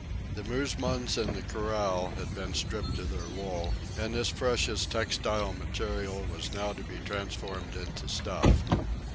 The musmons in the corral had been stripped of their wool, and this precious textile material was now to be transformed into stuff.